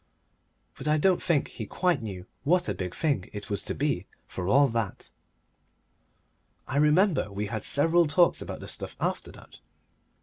But I don't think he quite knew what a big thing it was to be, for all that. I remember we had several talks about the stuff after that.